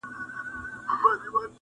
اباسین بیا څپې څپې دی!!